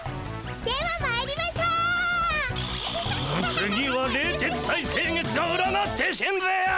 次は冷徹斎星月が占ってしんぜよう。